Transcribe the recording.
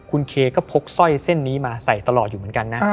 คุณเคก็พกสร้อยเส้นนี้มาใส่ตลอดอยู่เหมือนกันนะ